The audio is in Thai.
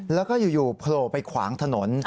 แล้วก็อยู่โผล่ไปขวางถนน